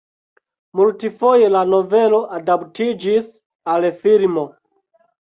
Multfoje la novelo adaptiĝis al filmo.